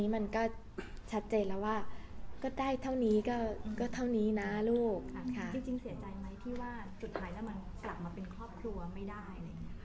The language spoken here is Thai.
เมื่อกี๊เสียใจไหมที่สุดท้ายกลับมาเป็นครอบครัวไม่ได้